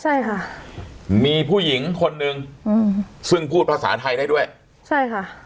ใช่ค่ะมีผู้หญิงคนหนึ่งอืมซึ่งพูดภาษาไทยได้ด้วยใช่ค่ะ